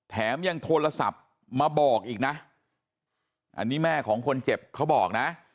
แถมยังโทรศัพท์มาบอกอีกนะอันนี้แม่ของคนเจ็บเขาบอกนะ